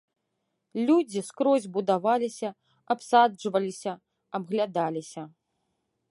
Людзі скрозь будаваліся, абсаджваліся, абглядаліся.